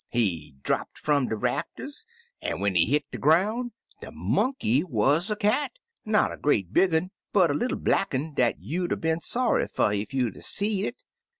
"He drapped fum de rafters, an* when he hit de groun*, de monkey wuz a cat, not a great big un, but a little black un dat you*d *a* been sorry fer ef you*d *a* seed it.